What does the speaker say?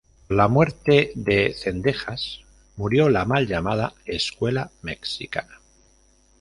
Con la muerte de Zendejas, murió la mal llamada escuela mexicana.